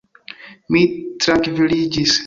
Mi trankviliĝis.